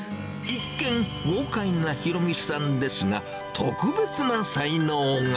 一見、豪快な裕美さんですが、特別な才能が。